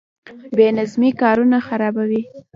بې نظمي کارونه خرابوي